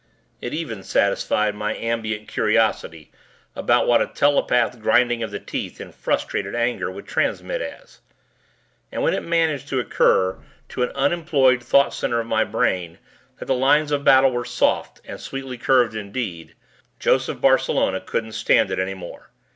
It even satisfied my ambient curiosity about what a telepathed grinding of the teeth in frustrated anger would transmit as. And when it managed to occur to an unemployed thought center of my brain that the lines of battle were soft and sweetly curved indeed, Joseph Barcelona couldn't stand it any more.